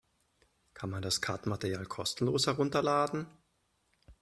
Kann man das Kartenmaterial kostenlos herunterladen?